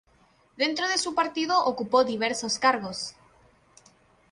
Dentro de su partido ocupó diversos cargos.